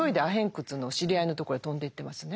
窟の知り合いのところへ飛んでいってますね。